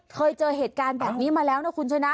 เคยเจอเหตุการณ์แบบนี้มาแล้วนะคุณชนะ